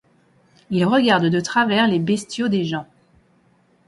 Ils regardent de travers les bestiaux des gens.